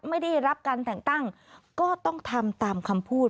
ไม่ได้รับการแต่งตั้งก็ต้องทำตามคำพูด